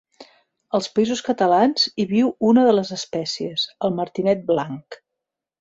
Als Països Catalans hi viu una de les espècies, el martinet blanc.